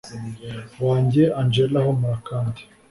wanjye angella humura kandi